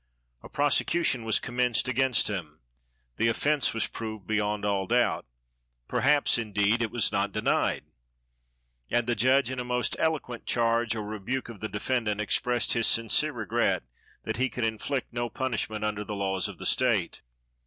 A prosecution was commenced against him; the offence was proved beyond all doubt,—perhaps, indeed, it was not denied,—and the judge, in a most eloquent charge or rebuke of the defendant, expressed his sincere regret that he could inflict no punishment, under the laws of the state.